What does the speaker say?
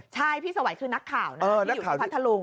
ใช่พี่สวัยคือนักข่าวนะที่อยู่ที่พัทธลุง